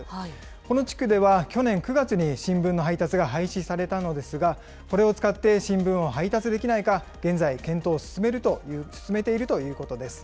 この地区では去年９月に新聞の配達が廃止されたのですが、これを使って新聞を配達できないか、現在、検討を進めているということです。